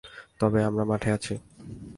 তবে আমরা মাঠে আছি।